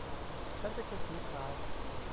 ฉันเป็นคนผิวขาว